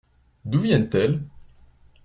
D’où vient-elle ?